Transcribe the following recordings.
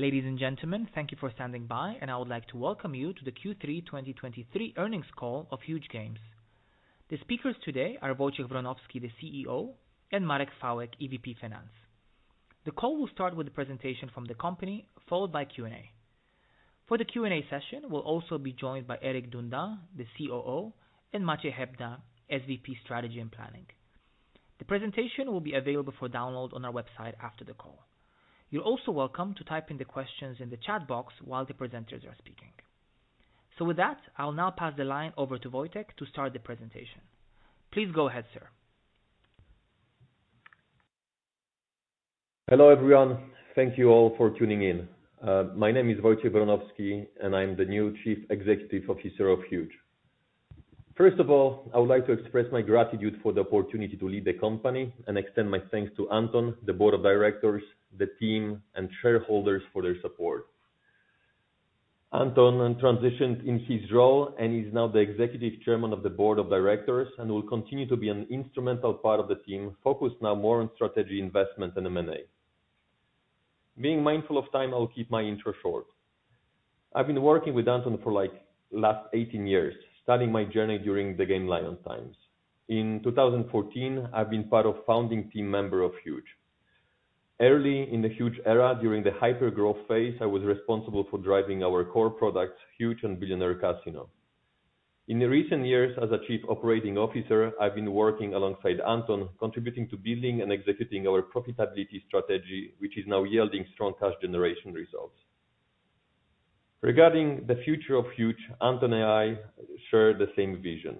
Ladies and gentlemen, thank you for standing by, and I would like to welcome you to the Q3 2023 earnings call of Huuuge Games. The speakers today are Wojciech Wronowski, the CEO, and Marek Chwałek, EVP Finance. The call will start with a presentation from the company, followed by Q&A. For the Q&A session, we'll also be joined by Erik Duindam, the COO, and Maciej Hebda, SVP Strategy and Planning. The presentation will be available for download on our website after the call. You're also welcome to type in the questions in the chat box while the presenters are speaking. So with that, I'll now pass the line over to Wojciech to start the presentation. Please go ahead, sir. Hello, everyone. Thank you all for tuning in. My name is Wojciech Wronowski, and I'm the new Chief Executive Officer of Huuuge. First of all, I would like to express my gratitude for the opportunity to lead the company and extend my thanks to Anton, the Board of Directors, the team, and shareholders for their support. Anton transitioned in his role and he's now the Executive Chairman of the Board of Directors and will continue to be an instrumental part of the team, focused now more on strategy, investment, and M&A. Being mindful of time, I'll keep my intro short. I've been working with Anton for, like, last 18 years, starting my journey during the Gamelion times. In 2014, I've been part of founding team member of Huuuge. Early in the Huuuge era, during the hypergrowth phase, I was responsible for driving our core products, Huuuge and Billionaire Casino. In the recent years, as a chief operating officer, I've been working alongside Anton, contributing to building and executing our profitability strategy, which is now yielding strong cash generation results. Regarding the future of Huuuge, Anton and I share the same vision.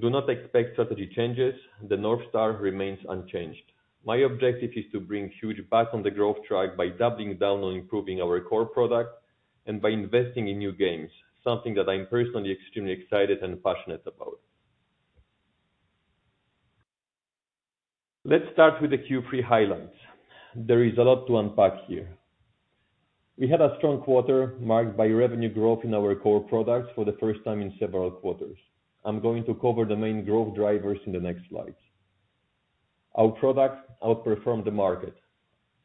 Do not expect strategy changes. The North Star remains unchanged. My objective is to bring Huuuge back on the growth track by doubling down on improving our core products and by investing in new games, something that I'm personally extremely excited and passionate about. Let's start with the Q3 highlights. There is a lot to unpack here. We had a strong quarter marked by revenue growth in our core products for the first time in several quarters. I'm going to cover the main growth drivers in the next slides. Our products outperformed the market.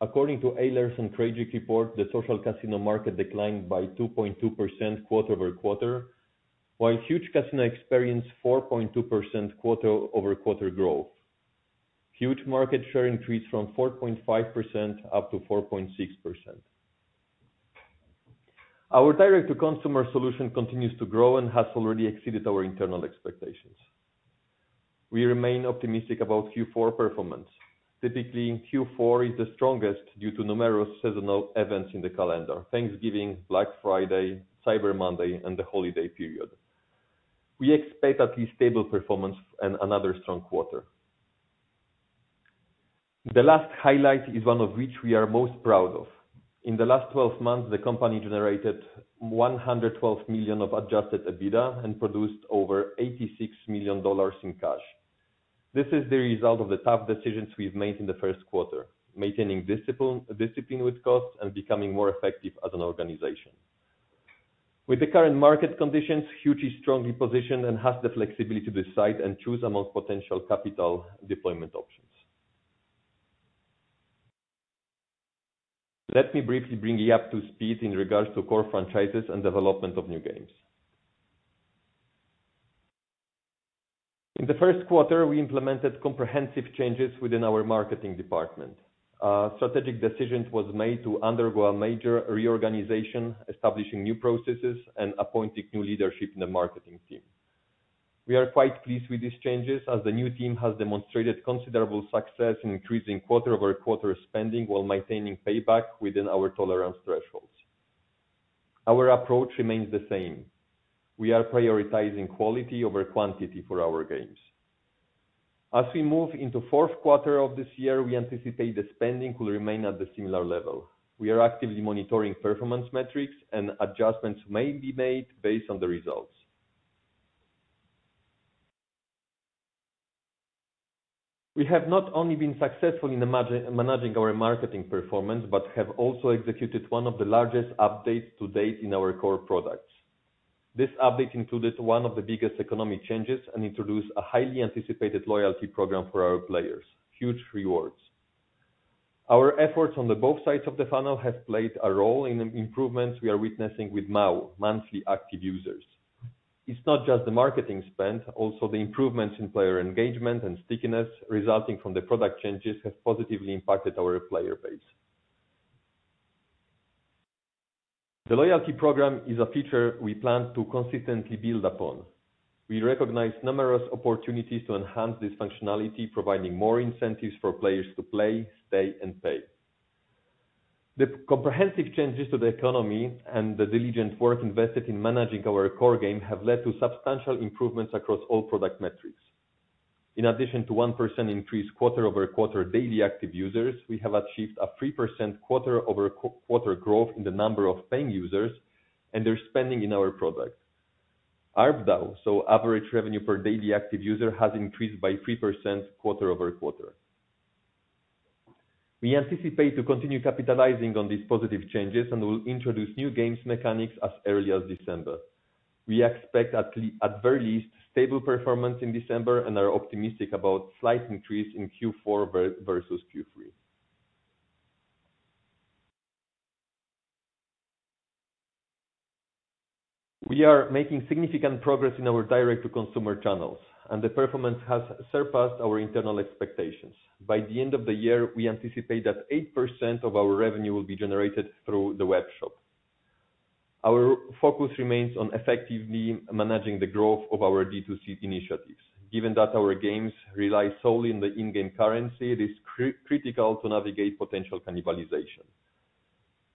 According to Eilers & Krejcik report, the social casino market declined by 2.2% quarter-over-quarter, while Huuuge Casino experienced 4.2% quarter-over-quarter growth. Huuuge market share increased from 4.5% up to 4.6%. Our direct-to-consumer solution continues to grow and has already exceeded our internal expectations. We remain optimistic about Q4 performance. Typically, Q4 is the strongest due to numerous seasonal events in the calendar: Thanksgiving, Black Friday, Cyber Monday, and the holiday period. We expect at least stable performance and another strong quarter. The last highlight is one of which we are most proud of. In the last twelve months, the company generated $112 million of adjusted EBITDA and produced over $86 million in cash. This is the result of the tough decisions we've made in the first quarter, maintaining discipline, discipline with costs, and becoming more effective as an organization. With the current market conditions, Huuuge is strongly positioned and has the flexibility to decide and choose amongst potential capital deployment options. Let me briefly bring you up to speed in regards to core franchises and development of new games. In the first quarter, we implemented comprehensive changes within our marketing department. Strategic decisions was made to undergo a major reorganization, establishing new processes and appointing new leadership in the marketing team. We are quite pleased with these changes, as the new team has demonstrated considerable success in increasing quarter-over-quarter spending while maintaining payback within our tolerance thresholds. Our approach remains the same. We are prioritizing quality over quantity for our games. As we move into the fourth quarter of this year, we anticipate the spending will remain at a similar level. We are actively monitoring performance metrics, and adjustments may be made based on the results. We have not only been successful in managing our marketing performance, but have also executed one of the largest updates to date in our core products. This update included one of the biggest economic changes and introduced a highly anticipated loyalty program for our players, Huuuge Rewards. Our efforts on both sides of the funnel have played a role in the improvements we are witnessing with MAU, monthly active users. It's not just the marketing spend, also the improvements in player engagement and stickiness resulting from the product changes have positively impacted our player base. The loyalty program is a feature we plan to consistently build upon. We recognize numerous opportunities to enhance this functionality, providing more incentives for players to play, stay, and pay. The comprehensive changes to the economy and the diligent work invested in managing our core game have led to substantial improvements across all product metrics. In addition to 1% increase quarter-over-quarter daily active users, we have achieved a 3% quarter-over-quarter growth in the number of paying users and their spending in our products. ARPDAU, so average revenue per daily active user, has increased by 3% quarter-over-quarter. We anticipate to continue capitalizing on these positive changes, and we'll introduce new game mechanics as early as December. We expect, at very least, stable performance in December and are optimistic about slight increase in Q4 versus Q3. We are making significant progress in our direct-to-consumer channels, and the performance has surpassed our internal expectations. By the end of the year, we anticipate that 8% of our revenue will be generated through the webshop. Our focus remains on effectively managing the growth of our D2C initiatives. Given that our games rely solely on the in-game currency, it is critical to navigate potential cannibalization.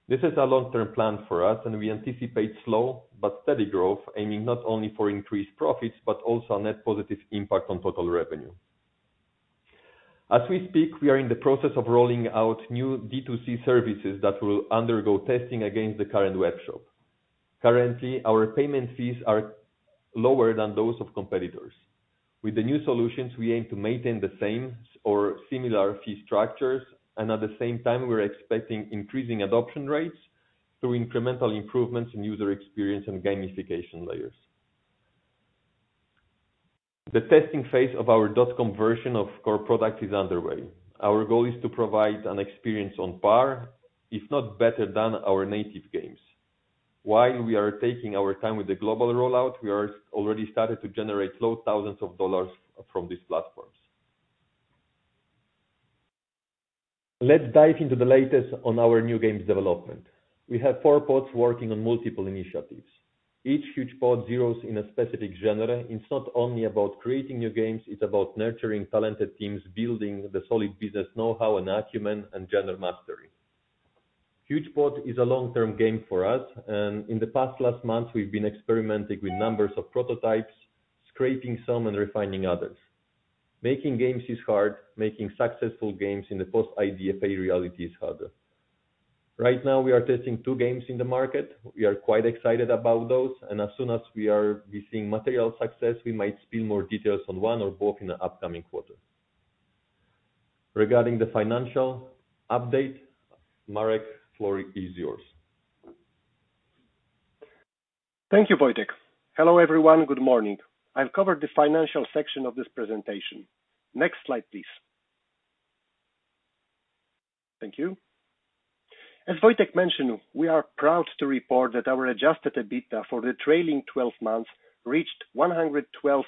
This is a long-term plan for us, and we anticipate slow but steady growth, aiming not only for increased profits, but also a net positive impact on total revenue. As we speak, we are in the process of rolling out new D2C services that will undergo testing against the current webshop. Currently, our payment fees are lower than those of competitors. With the new solutions, we aim to maintain the same or similar fee structures, and at the same time, we're expecting increasing adoption rates through incremental improvements in user experience and gamification layers. The testing phase of our dot-com version of core product is underway. Our goal is to provide an experience on par, if not better than our native games. While we are taking our time with the global rollout, we are already started to generate low thousands of dollars from these platforms. Let's dive into the latest on our new games development. We have four pods working on multiple initiatives. Each Huuuge Pod zeros in a specific genre. It's not only about creating new games, it's about nurturing talented teams, building the solid business know-how and acumen and general mastery. Huuuge Pod is a long-term game for us, and in the past last month, we've been experimenting with numbers of prototypes, scraping some and refining others. Making games is hard. Making successful games in the post-IDFA reality is harder. Right now, we are testing two games in the market. We are quite excited about those, and as soon as we are seeing material success, we might spill more details on one or both in the upcoming quarter. Regarding the financial update, Marek, the floor is yours. Thank you, Wojtek. Hello, everyone. Good morning. I'll cover the financial section of this presentation. Next slide, please. Thank you. As Wojtek mentioned, we are proud to report that our adjusted EBITDA for the trailing twelve months reached $112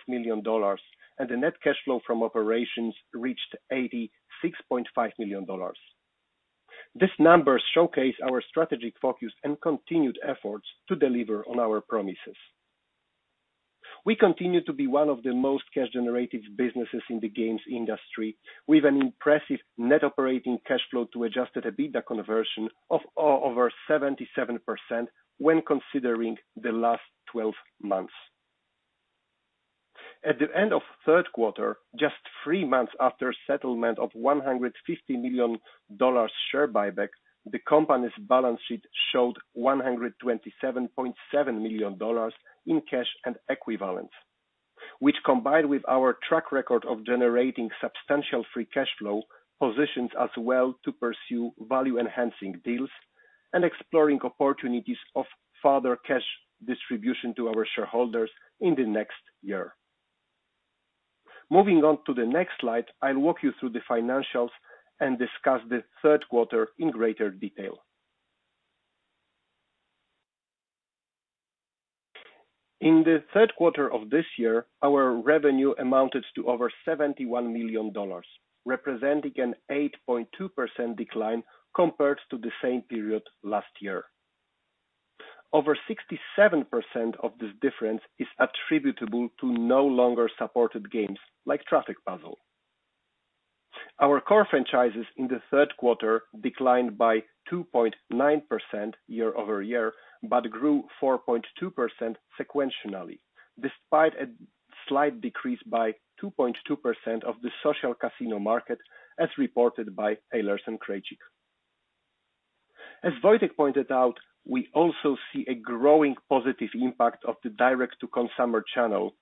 million, and the net cash flow from operations reached $86.5 million. These numbers showcase our strategic focus and continued efforts to deliver on our promises. We continue to be one of the most cash-generative businesses in the games industry, with an impressive net operating cash flow to adjusted EBITDA conversion of over 77% when considering the last twelve months. At the end of the third quarter, just three months after settlement of $150 million share buyback, the company's balance sheet showed $127.7 million in cash and equivalents, which, combined with our track record of generating substantial free cash flow, positions us well to pursue value-enhancing deals and exploring opportunities of further cash distribution to our shareholders in the next year. Moving on to the next slide, I'll walk you through the financials and discuss the third quarter in greater detail. In the third quarter of this year, our revenue amounted to over $71 million, representing an 8.2% decline compared to the same period last year. Over 67% of this difference is attributable to no longer supported games, like Traffic Puzzle. Our core franchises in the third quarter declined by 2.9% year-over-year, but grew 4.2% sequentially, despite a slight decrease by 2.2% of the social casino market, as reported by Eilers & Krejcik. As Wojtek pointed out, we also see a growing positive impact of the direct-to-consumer channel,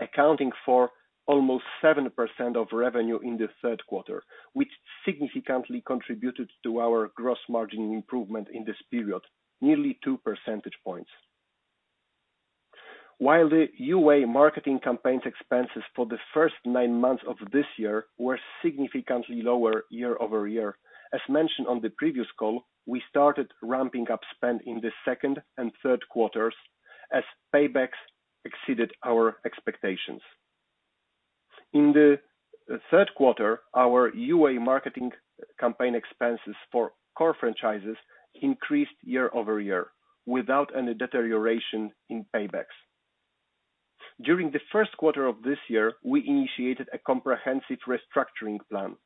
accounting for almost 7% of revenue in the third quarter, which significantly contributed to our gross margin improvement in this period, nearly 2 percentage points. While the UA marketing campaigns expenses for the first nine months of this year were significantly lower year-over-year, as mentioned on the previous call, we started ramping up spend in the second and third quarters as paybacks exceeded our expectations. In the third quarter, our UA marketing campaign expenses for core franchises increased year-over-year without any deterioration in paybacks. During the first quarter of this year, we initiated a comprehensive restructuring plan,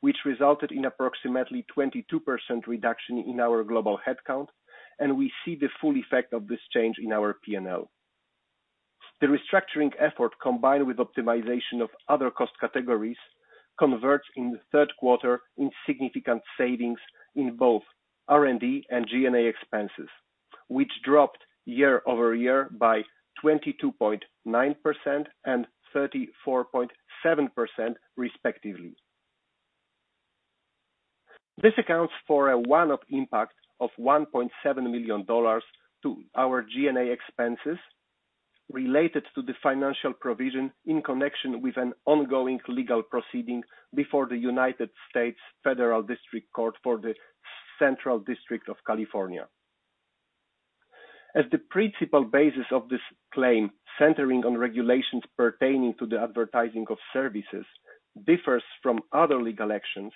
which resulted in approximately 22% reduction in our global headcount, and we see the full effect of this change in our P&L. The restructuring effort, combined with optimization of other cost categories, converged in the third quarter in significant savings in both R&D and G&A expenses, which dropped year-over-year by 22.9% and 34.7% respectively. This accounts for a one-off impact of $1.7 million to our G&A expenses, related to the financial provision in connection with an ongoing legal proceeding before the United States Federal District Court for the Central District of California. As the principal basis of this claim, centering on regulations pertaining to the advertising of services, differs from other legal actions,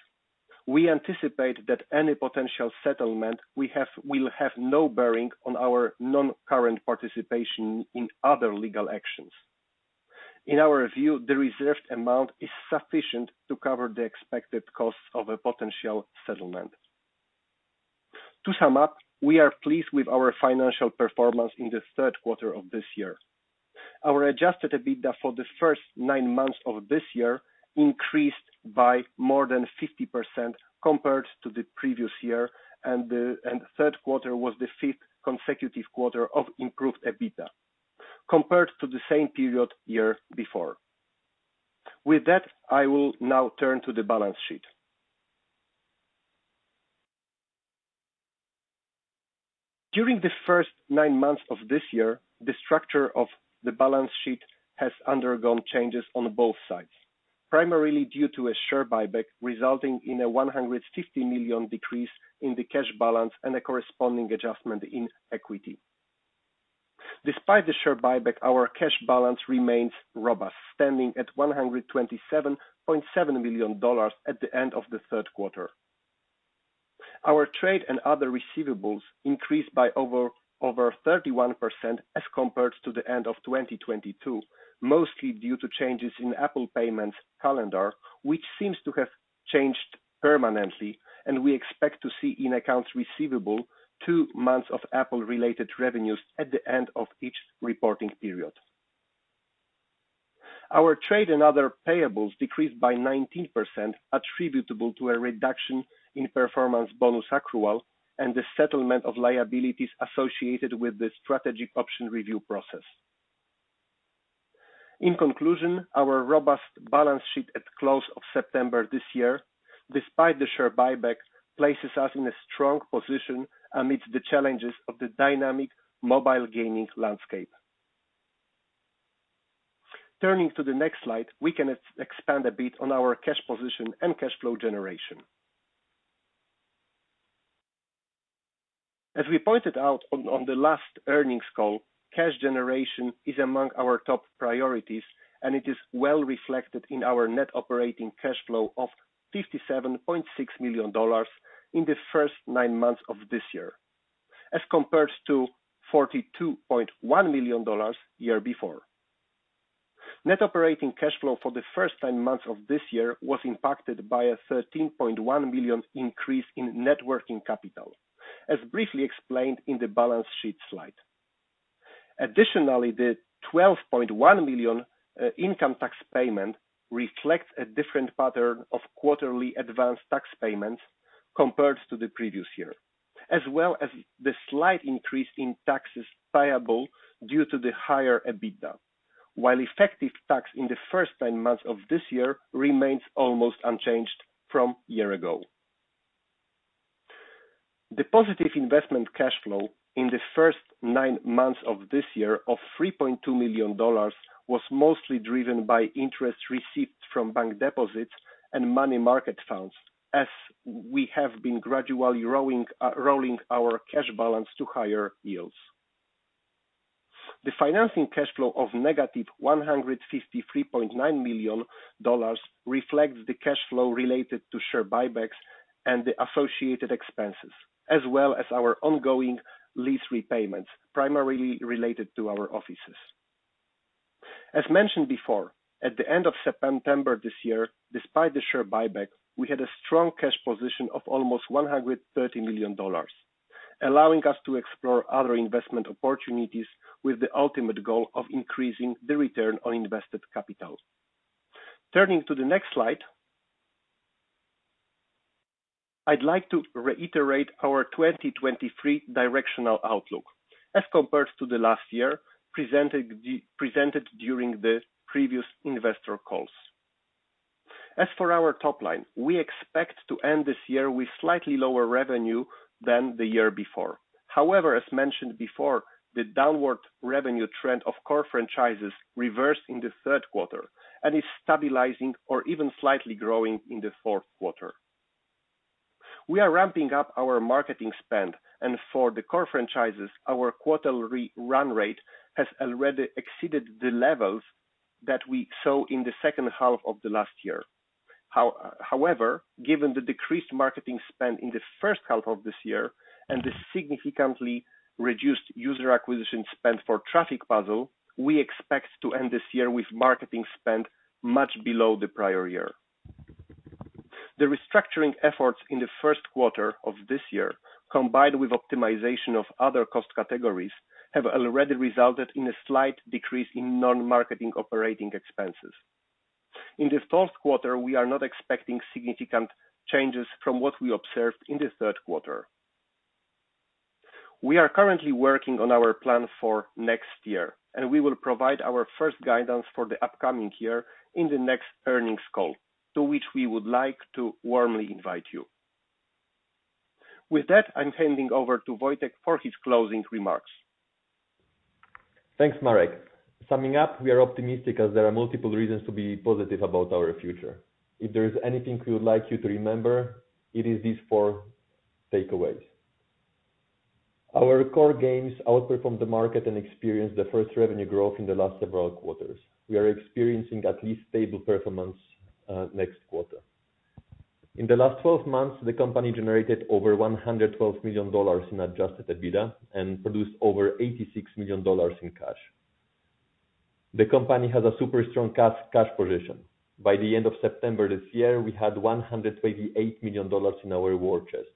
we anticipate that any potential settlement we have will have no bearing on our non-current participation in other legal actions. In our view, the reserved amount is sufficient to cover the expected costs of a potential settlement. To sum up, we are pleased with our financial performance in the third quarter of this year. Our adjusted EBITDA for the first nine months of this year increased by more than 50% compared to the previous year, and the third quarter was the fifth consecutive quarter of improved EBITDA compared to the same period year before. With that, I will now turn to the balance sheet. During the first nine months of this year, the structure of the balance sheet has undergone changes on both sides, primarily due to a share buyback, resulting in a $150 million decrease in the cash balance and a corresponding adjustment in equity. Despite the share buyback, our cash balance remains robust, standing at $127.7 million at the end of the third quarter. Our trade and other receivables increased by over 31% as compared to the end of 2022, mostly due to changes in Apple payments calendar, which seems to have changed permanently, and we expect to see in accounts receivable two months of Apple-related revenues at the end of each reporting period. Our trade and other payables decreased by 19%, attributable to a reduction in performance bonus accrual and the settlement of liabilities associated with the strategic option review process. In conclusion, our robust balance sheet at close of September this year, despite the share buyback, places us in a strong position amidst the challenges of the dynamic mobile gaming landscape. Turning to the next slide, we can expand a bit on our cash position and cash flow generation. As we pointed out on the last earnings call, cash generation is among our top priorities, and it is well reflected in our net operating cash flow of $57.6 million in the first nine months of this year, as compared to $42.1 million year before. Net operating cash flow for the first nine months of this year was impacted by a $13.1 million increase in net working capital, as briefly explained in the balance sheet slide. Additionally, the $12.1 million income tax payment reflects a different pattern of quarterly advanced tax payments compared to the previous year, as well as the slight increase in taxes payable due to the higher EBITDA, while effective tax in the first nine months of this year remains almost unchanged from year ago. The positive investment cash flow in the first nine months of this year, of $3.2 million, was mostly driven by interest received from bank deposits and money market funds, as we have been gradually rolling our cash balance to higher yields. The financing cash flow of -$153.9 million reflects the cash flow related to share buybacks and the associated expenses, as well as our ongoing lease repayments, primarily related to our offices. As mentioned before, at the end of September this year, despite the share buyback, we had a strong cash position of almost $130 million, allowing us to explore other investment opportunities with the ultimate goal of increasing the return on invested capital. Turning to the next slide, I'd like to reiterate our 2023 directional outlook as compared to the last year, presented during the previous investor calls. As for our top line, we expect to end this year with slightly lower revenue than the year before. However, as mentioned before, the downward revenue trend of core franchises reversed in the third quarter and is stabilizing or even slightly growing in the fourth quarter. We are ramping up our marketing spend, and for the core franchises, our quarterly run rate has already exceeded the levels that we saw in the second half of the last year. However, given the decreased marketing spend in the first half of this year and the significantly reduced user acquisition spend for Traffic Puzzle, we expect to end this year with marketing spend much below the prior year. The restructuring efforts in the first quarter of this year, combined with optimization of other cost categories, have already resulted in a slight decrease in non-marketing operating expenses. In this fourth quarter, we are not expecting significant changes from what we observed in the third quarter. We are currently working on our plan for next year, and we will provide our first guidance for the upcoming year in the next earnings call, to which we would like to warmly invite you. With that, I'm handing over to Wojtek for his closing remarks. Thanks, Marek. Summing up, we are optimistic as there are multiple reasons to be positive about our future. If there is anything we would like you to remember, it is these four takeaways. Our core games outperform the market and experience the first revenue growth in the last several quarters. We are experiencing at least stable performance next quarter. In the last twelve months, the company generated over $112 million in adjusted EBITDA and produced over $86 million in cash. The company has a super strong cash position. By the end of September this year, we had $128 million in our war chest.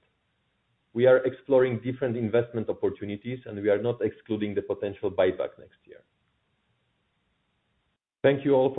We are exploring different investment opportunities, and we are not excluding the potential buyback next year. Thank you all for-